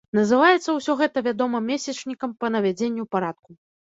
Называецца ўсё гэта, вядома, месячнікам па навядзенні парадку.